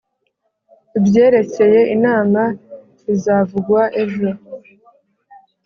Ibyerekeye inama bizavugwa ejo.